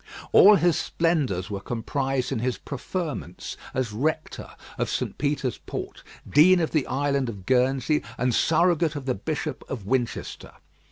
All his splendours were comprised in his preferments as Rector of St. Peter's Port, Dean of the Island of Guernsey, and Surrogate of the Bishop of Winchester.